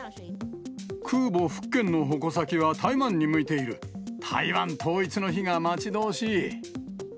空母福建の矛先は、台湾に向台湾統一の日が待ち遠しい。